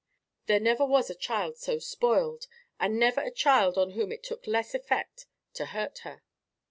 "There never was a child so spoiled, and never a child on whom it took less effect to hurt her.